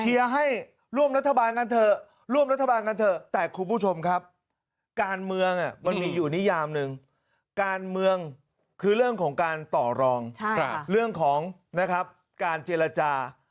ให้ร่วมรัฐบาลกันเถอะร่วมรัฐบาลกันเถอะแต่คุณผู้ชมครับการเมืองมันมีอยู่นิยามหนึ่งการเมืองคือเรื่องของการต่อรองเรื่องของนะครับการเจรจา